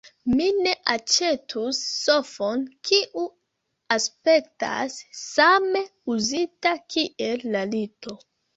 Mi ne aĉetus sofon kiu aspektas same uzita kiel la lito.